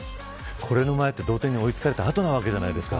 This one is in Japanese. これの前は同点に追いつかれた後じゃないですか。